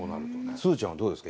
すずちゃんはどうですか？